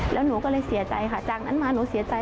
แล้วหนูก็เลยเสียใจค่ะจากนั้นมาหนูเสียใจ